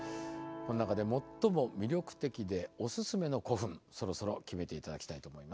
この中で最も魅力的でお薦めの古墳そろそろ決めていただきたいと思います。